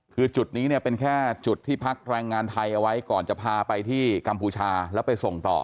คือจุดนี้เนี่ยเป็นแค่จุดที่พักแรงงานไทยเอาไว้ก่อนจะพาไปที่กัมพูชาแล้วไปส่งต่อ